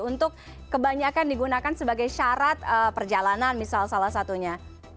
untuk kebanyakan digunakan sebagai syarat perjalanan misal salah satunya